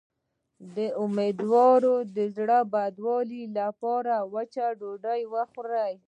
د امیدوارۍ د زړه بدوالي لپاره وچه ډوډۍ وخورئ